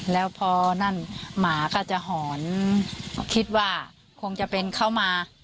แล้วพอนั่นหมาก็จะหอนคิดว่าคงจะเป็นเขามา